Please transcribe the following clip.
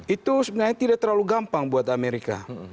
itu sebenarnya tidak terlalu gampang buat amerika